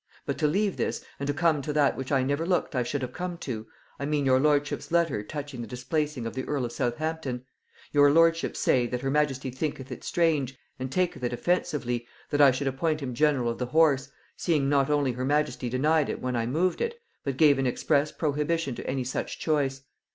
"But to leave this, and come to that which I never looked I should have come to, I mean your lordships' letter touching the displacing of the earl of Southampton; your lordships say, that her majesty thinketh it strange, and taketh it offensively, that I should appoint him general of the horse, seeing not only her majesty denied it when I moved it, but gave an express prohibition to any such choice.